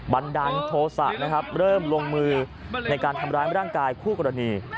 บันดาลโทษะนะครับเริ่มลงมือในการทำร้ายร่างกายคู่กรณี